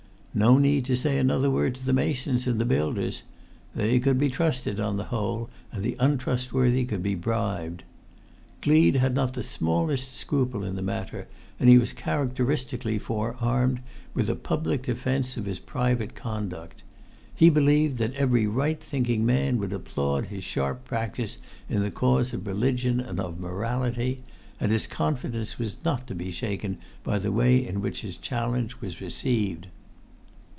No need to say another word to the masons and the builders. They could be trusted on the whole, and the untrustworthy could be bribed. Gleed had not the smallest scruple in the matter, and he was characteristically forearmed with a public defence of his private conduct. He believed that every right thinking man would applaud his sharp practice in the cause of religion and of morality; and his confidence was not to be shaken by the way in which his challenge was received.